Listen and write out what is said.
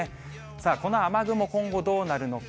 さあ、この雨雲、今後どうなるのか。